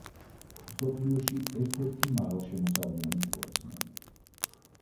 მსოფლიოში ერთ-ერთი მაღალშემოსავლიანი სპორტსმენი.